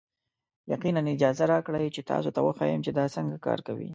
یقینا، اجازه راکړئ تاسو ته وښیم چې دا څنګه کار کوي.